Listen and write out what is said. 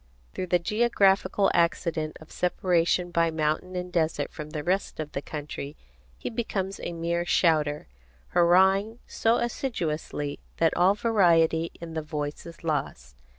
Through the geographical accident of separation by mountain and desert from the rest of the country, he becomes a mere shouter, hurrahing so assiduously that all variety in the voice is lost.